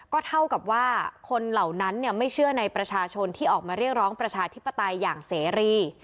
ก็เท่ากับว่าคนเหล่านั้นไม่เชื่อในประชาชนที่ออกมาเรียกร้องประชาธิปไตยอย่างเสรี